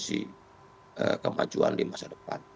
dan juga potensi kemajuan di masa depan